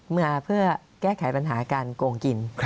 มาเพื่อแก้ไขปัญหาการโกงกิน